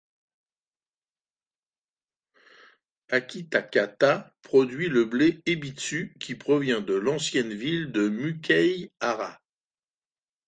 Akitakata produit le thé Ebitsu qui provient de l'ancienne ville de Mukaihara.